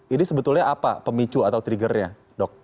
ini sebetulnya apa pemicu atau trigger nya dok